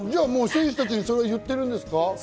選手たちにそれは言ってるんですか？